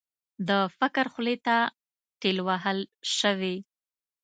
د فقر خولې ته ټېل وهل شوې.